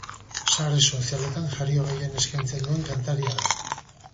Sare sozialetan jario gehien eskaintzen duen kantaria da.